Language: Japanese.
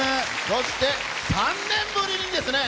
そして３年ぶりにですね